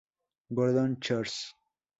Gordon Cheers